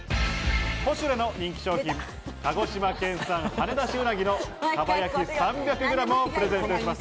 ポシュレの人気商品「鹿児島県産はねだし鰻の蒲焼３００ｇ」をプレゼントいたします。